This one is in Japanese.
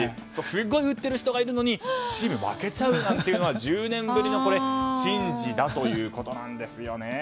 すごく打ってる人がいるのにチームが負けちゃうというのは１０年ぶりの珍事だということです。